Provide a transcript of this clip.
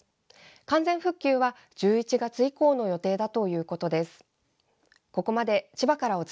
完全復旧は１１月以降の予定だということです。